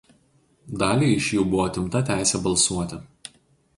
Daliai iš jų buvo atimta teisė balsuoti.